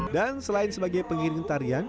dan selain sebagai pengiring tarian